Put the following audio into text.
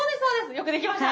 よくできました。